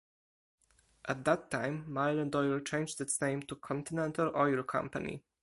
At that time, Marland Oil changed its name to Continental Oil Company.